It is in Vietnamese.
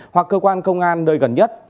hoặc cơ quan công an nơi gần nhất